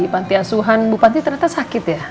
panti asuhan bu panti ternyata sakit ya